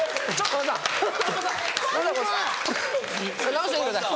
直してください。